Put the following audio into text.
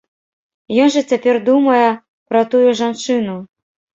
Ён жа цяпер думае пра тую жанчыну!